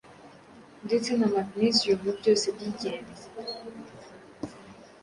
ndetse na magnesium byose by’ingenzi